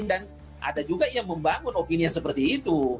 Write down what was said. dan ada juga yang membangun opini yang seperti itu